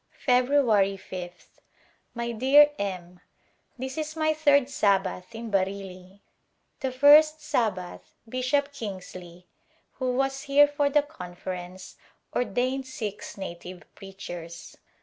February ^th. My dear M This is my third Sabbath in Bareilly. The first Sabbath Bishop Kingsley, who was here for the conference, ordained six native preachers.